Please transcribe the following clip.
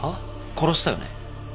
殺したよね。